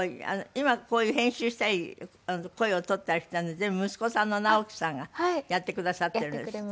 今こういう編集したり声を録ったりしたの全部息子さんの直樹さんがやってくださってるんですって。